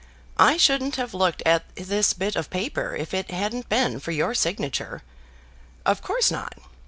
I shouldn't have looked at this bit of paper if it hadn't been for your signature. Of course not.